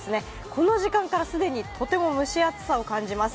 この時間から既にとても蒸し暑さを感じます。